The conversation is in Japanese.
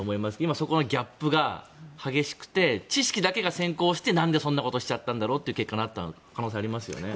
今そこのギャップが激しくて知識だけが先行してなんでそんなことしちゃったんだろうという結果になった可能性がありますね。